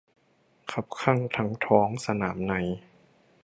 คับคั่งทั้งท้องสนามใน